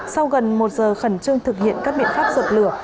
sau gần một giờ khẩn trương thực hiện các biện pháp dập lửa